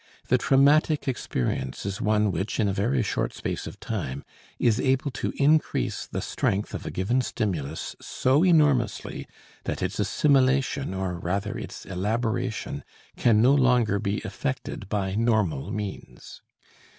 The traumatic experience is one which, in a very short space of time, is able to increase the strength of a given stimulus so enormously that its assimilation, or rather its elaboration, can no longer be effected by normal means.